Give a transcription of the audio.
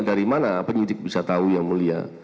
dari mana penyidik bisa tahu yang mulia